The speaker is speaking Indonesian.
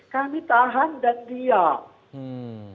kami tahan dan diam